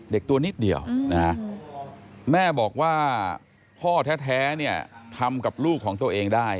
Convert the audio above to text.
ตัวนิดเดียวนะฮะแม่บอกว่าพ่อแท้เนี่ยทำกับลูกของตัวเองได้